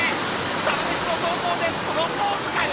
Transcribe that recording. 「サラメシ」の投稿でプロポーズかよ！